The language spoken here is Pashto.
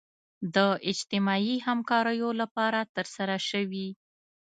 د اجتماعي همکاریو لپاره ترسره شوي.